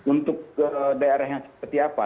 untuk daerah yang seperti apa